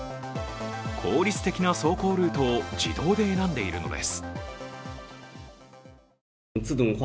効率的な走行ルートを自動で選んでいるのです。